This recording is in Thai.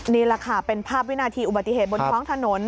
นี่แหละค่ะเป็นภาพวินาทีอุบัติเหตุบนท้องถนน